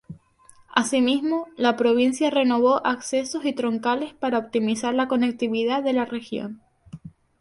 Asimismo, la provincia renovó accesos y troncales para optimizar la conectividad de la región.